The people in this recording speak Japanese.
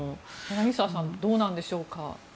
柳澤さんどうなんでしょうか。